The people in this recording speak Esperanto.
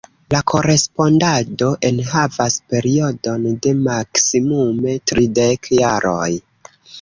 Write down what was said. La korespondado enhavas periodon de maksimume tridek jaroj.